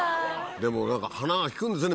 でも鼻が利くんですね